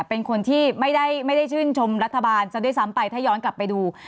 เป็นคนที่ไม่ได้ชื่นชมรัฐบาลซะด้วยซ้ำไปถ้าย้อนกลับไปดู